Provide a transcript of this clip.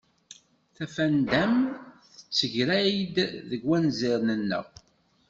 Tafanda-m tettegray-d deg wanzaren-nneɣ.